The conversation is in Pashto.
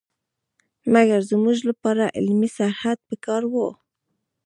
مګر زموږ لپاره علمي سرحد په کار وو.